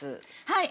はい。